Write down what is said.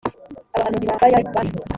abahanuzi ba bayali barishwe